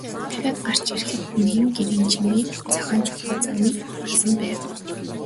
Дахиад гарч ирэхэд нь нэгэн гэрийн чинээ цагаан чулуу замыг нь бөглөсөн байв.